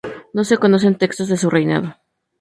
No se conocen textos de su reinado.